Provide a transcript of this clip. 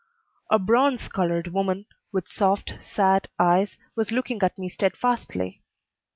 A bronze colored woman, with soft, sad eyes, was looking at me steadfastly.